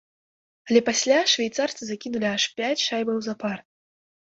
Але пасля швейцарцы закінулі аж пяць шайбаў запар.